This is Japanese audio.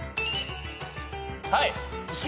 はい！